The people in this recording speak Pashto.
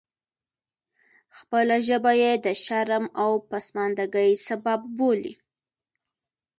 خپله ژبه یې د شرم او پسماندګۍ سبب بولي.